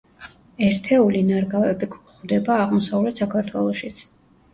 ერთეული ნარგავები გვხვდება აღმოსავლეთ საქართველოშიც.